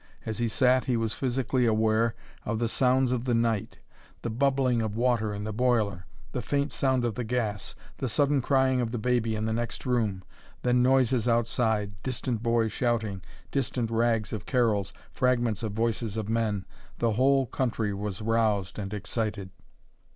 As he sat he was physically aware of the sounds of the night: the bubbling of water in the boiler, the faint sound of the gas, the sudden crying of the baby in the next room, then noises outside, distant boys shouting, distant rags of carols, fragments of voices of men. The whole country was roused and excited.